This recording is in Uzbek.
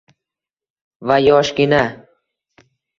Va yoshgina